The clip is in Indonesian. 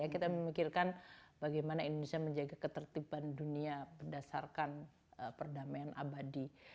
kita memikirkan bagaimana indonesia menjaga ketertiban dunia berdasarkan perdamaian abadi